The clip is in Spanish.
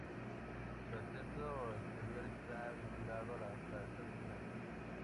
Su acceso exterior está vinculado a la Plaza de Francia.